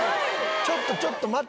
ちょっとちょっと待って！